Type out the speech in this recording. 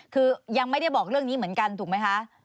คือยังไม่ได้บอกเรื่องนี้เหมือนกันถูกไหมคะ